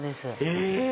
え！